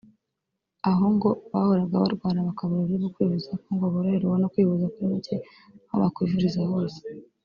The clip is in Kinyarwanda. aho ngo bahoraga barwara bakabura uburyo bwo kwivuza kuko ngo boroherwa no kwivuza kuri make aho bakwivuriza hose